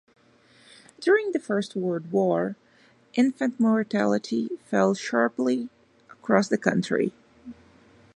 During the First World War, infant mortality fell sharply across the country.